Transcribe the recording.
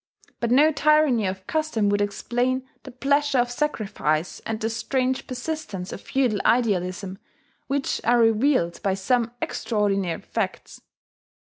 But no tyranny of custom would explain the pleasure of sacrifice and the strange persistence of feudal idealism which are revealed by some extraordinary facts.